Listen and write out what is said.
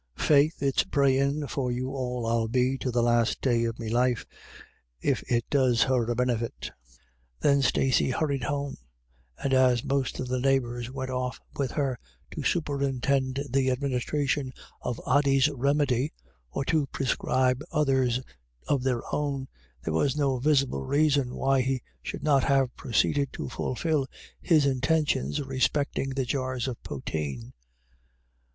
Faith, it's prayin' for 120 IRISH IDYLLS. you all I'll be to the last day of me life, it it does her a benefit." Then Stacey hurried home ; and as most of the neighbours went off with her to superintend the administration of Ody's remedy, or to prescribe others of their own, there was no visible reason why he should not have proceeded to fulfil his intentions respecting the jars of potheen.